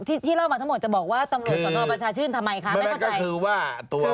ที่เล่ามาทั้งหมดโตรสื่นทำไมคะ